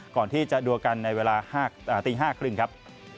ก่อนที่จะดูกันในเวลาตี๕๓๐ครับ